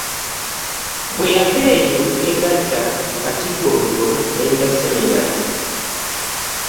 Bweyava eyo yeegatta ku Katigondo Major Seminary